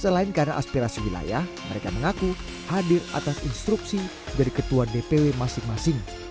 selain karena aspirasi wilayah mereka mengaku hadir atas instruksi dari ketua dpw masing masing